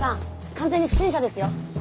完全に不審者ですよ。